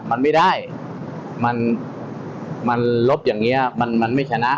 มันไม่ได้มันลบอย่างนี้มันไม่ชนะ